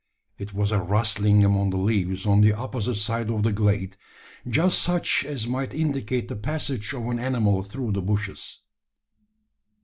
It was a rustling among the leaves on the opposite side of the glade; just such as might indicate the passage of an animal through the bushes.